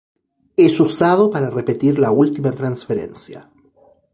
Es usado para repetir la última transferencia.